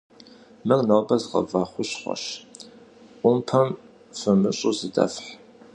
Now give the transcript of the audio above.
Мыр нобэ згъэва хущхъуэщ, Ӏумпэм фымыщӀу зыдэфхь.